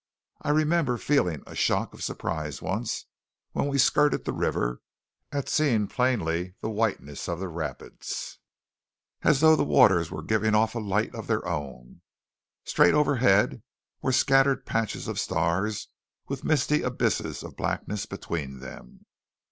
I remember feeling a shock of surprise once, when we skirted the river, at seeing plainly the whiteness of the rapids, as though the water were giving off a light of its own. Straight overhead were scattered patches of stars with misty abysses of blackness between them.